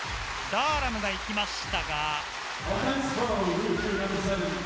ダーラムが行きましたが。